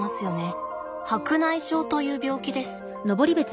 白内障という病気です。